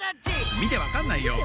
みてわかんないよ！